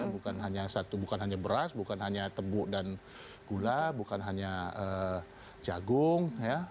bukan hanya satu bukan hanya beras bukan hanya tebu dan gula bukan hanya jagung